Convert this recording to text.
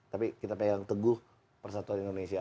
tapi kita pegang teguh persatuan indonesia